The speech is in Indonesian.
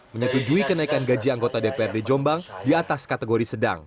menyetujui kenaikan gaji anggota dprd jombang di atas kategori sedang